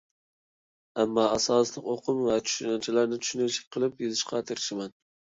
ئەمما، ئاساسلىق ئۇقۇم ۋە چۈشەنچىلەرنى چۈشىنىشلىك قىلىپ يېزىشقا تىرىشىمەن.